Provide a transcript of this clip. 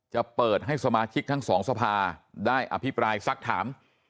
จะเปิดให้สมาชิกทั้งสองสภาได้อภิปรายสักถาม